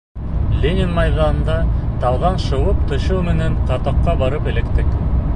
Ленин майҙанында тауҙан шыуып төшөү менән катокка барып эләктек.